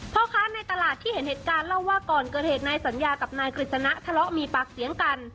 พ่อค้าในตลาดที่เห็นเหตุการณ์เล่าว่าก่อนเกิดเหตุนายสัญญากับนายกฤษณะทะเลาะมีปากเสียงกัน